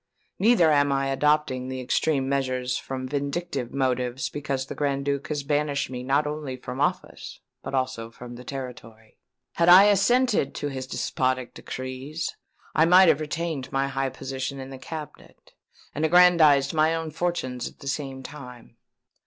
Neither am I adopting extreme measures from vindictive motives because the Grand Duke has banished me not only from office but also from the territory. Had I assented to his despotic decrees I might have retained my high position in the cabinet, and aggrandized my own fortunes at the same time.